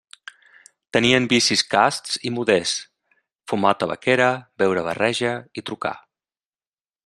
Tenien vicis casts i modests: fumar tabaquera, beure barreja i trucar.